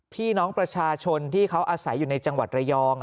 พี่น้องประชาชนที่เขาอาศัยอยู่ในจังหวัดระยอง